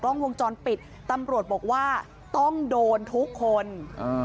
กล้องวงจรปิดตำรวจบอกว่าต้องโดนทุกคนอ่า